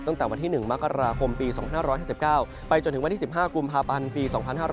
ตั้งแต่วันที่๑มกราคมปี๒๕๕๙ไปจนถึงวันที่๑๕กุมภาพันธ์ปี๒๕๕๙